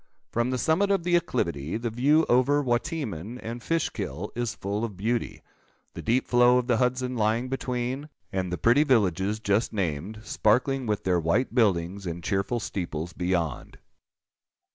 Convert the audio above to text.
From the summit of the acclivity, the view over Wateaman and Fishkill is full of beauty; the deep flow of the Hudson lying between, and the pretty villages just named, sparkling with their white buildings and cheerful steeples, beyond.